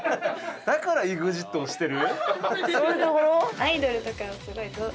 だからＥＸＩＴを推してる？